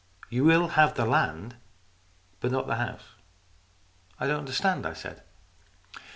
You will have the land, but not the house." " I don't understand," I said.